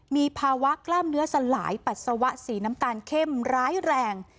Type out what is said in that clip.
มีภาวะกล้ามเนื้อสลายปัสสาวะสีน้ำตาลเข้มร้ายแรง